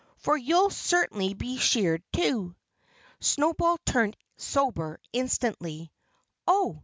For you'll certainly be sheared too." Snowball turned sober instantly. "Oh!